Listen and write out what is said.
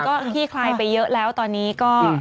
ก็ขี้คลายไปเยอะแล้วตอนนี้ก็